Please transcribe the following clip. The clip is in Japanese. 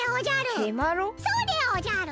そうでおじゃる。